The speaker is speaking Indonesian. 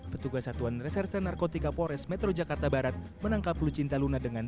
petugas satuan reserse narkotika polres metro jakarta barat menangkap lucinta luna dengan